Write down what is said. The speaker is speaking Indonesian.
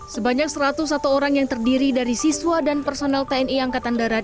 sebanyak satu ratus satu orang yang terdiri dari siswa dan personel tni angkatan darat